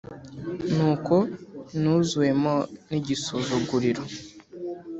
nuko nuzuwemo n’igisuzuguriro,